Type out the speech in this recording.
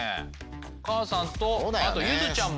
お母さんとあと柚子ちゃんも。